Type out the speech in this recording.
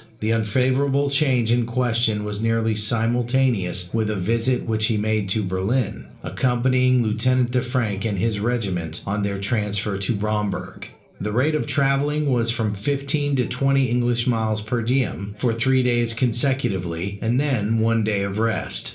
The unfavorable change in question was nearly simultaneous with a visit which he made to Berlin, accompanying Lieutenant de Franck and his regiment, on their transfer to Bromberg: the rate of travelling was from fifteen to twenty English miles per diem, for three days consecutively, and then one day of rest.